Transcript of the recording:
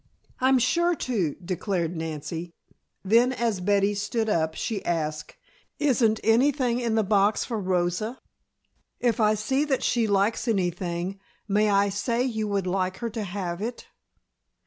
"I'm sure to," declared Nancy. Then as Betty stood up she asked: "Isn't anything in the box for Rosa? If I see that she likes anything may I say you would like her to have it?"